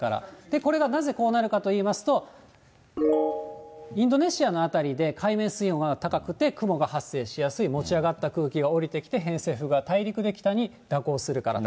これがなぜこうなるかといいますと、インドネシアの辺りで海面水温は高くて、雲が発生しやすい、持ち上がった空気が下りてきて偏西風が大陸より北に蛇行するからと。